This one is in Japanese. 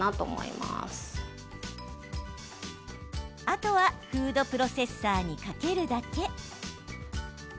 あとは、フードプロセッサーにかけるだけ。